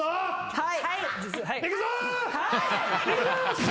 はい！